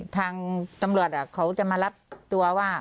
ทางตำรวจเขาจะมารับตัวว่า